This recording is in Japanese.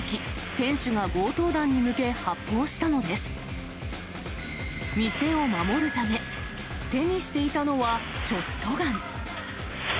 店を守るため、手にしていたのはショットガン。